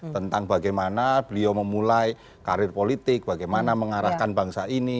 tentang bagaimana beliau memulai karir politik bagaimana mengarahkan bangsa ini